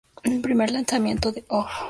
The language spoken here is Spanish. El primer lanzamiento de Off!